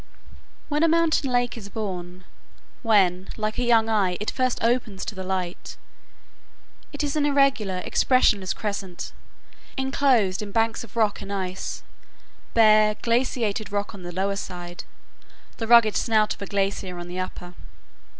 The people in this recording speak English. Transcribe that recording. When a mountain lake is born,—when, like a young eye, it first opens to the light,—it is an irregular, expressionless crescent, inclosed in banks of rock and ice,—bare, glaciated rock on the lower side, the rugged snout of a glacier on the upper.